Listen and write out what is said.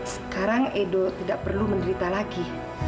sekarang edo tidak perlu menderita lagi